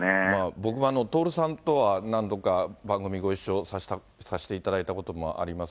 僕も徹さんとは何度か番組ご一緒させていただいたこともあります。